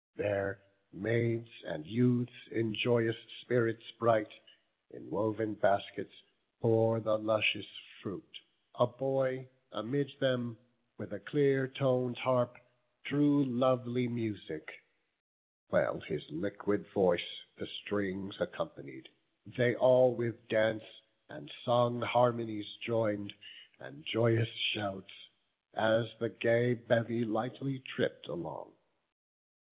There maids and youths, in joyous spirits bright, In woven baskets bore the luscious fruit. A boy, amid them, from a clear ton'd harp Drew lovely music; well his liquid voice The strings accompanied; they all with dance And song harmonious join'd, and joyous shouts, As the gay bevy lightly tripp'd along.